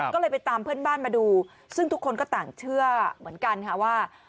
ก็เลยไปตามเพื่อนบ้านมาดูซึ่งทุกคนก็ต่างเชื่อเหมือนกันค่ะว่า